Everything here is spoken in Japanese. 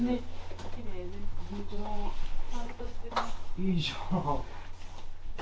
いいじゃん。